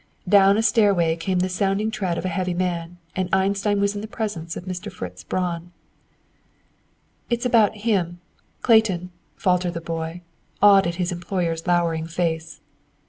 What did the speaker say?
Down a stairway came the sounding tread of a heavy man, and Einstein was in the presence of Mr. Fritz Braun. "It's about him, Clayton," faltered the boy, awed at his employer's lowering face.